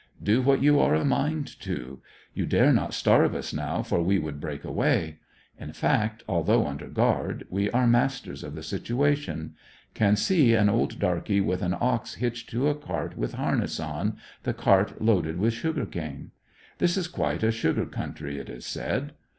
Do what you are a mind to. You dare not starve us now^ for we would break away. In fact, although under guard, we are masters of the situation. Can see an old darky with an ox hitched to a cart with harness on, the cart loaded with sugar cane. This is quite a sugar country, it is said.